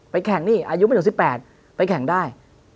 แข่งนี่อายุไม่ถึง๑๘ไปแข่งได้